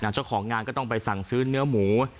เจ้าของงานก็ต้องไปสั่งซื้อเนื้อหมู